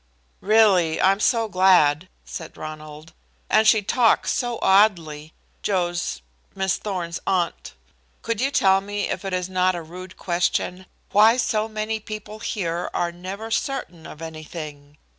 "Really, I am so glad," said Ronald. "And she talks so oddly Joe's Miss Thorn's aunt. Could you tell me, if it is not a rude question, why so many people here are never certain of anything?